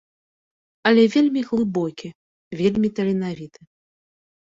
Але вельмі глыбокі, вельмі таленавіты.